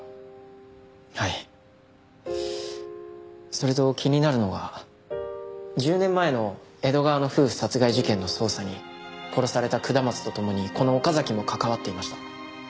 それと気になるのが１０年前の江戸川の夫婦殺害事件の捜査に殺された下松と共にこの岡崎も関わっていました。